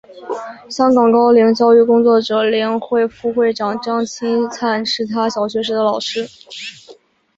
香港高龄教育工作者联会副会长张钦灿是他小学时的老师。